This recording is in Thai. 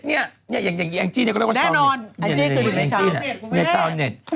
เนี่ยอย่างอีอ้างจี้ก็เรียกว่าชาวเน็ต